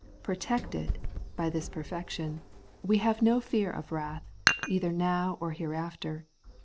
Protected by this perfection, we have no fear of wrath, either now or hereafter.